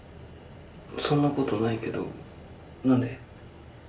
そんなことないけどなんで？